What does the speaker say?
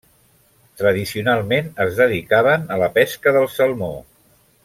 Tradicionalment es dedicaven a la pesca del salmó.